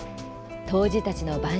「杜氏たちの晩酌」